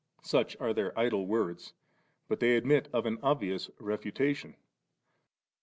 Such are their idle words; but they admit of an obvious refutation. 2$.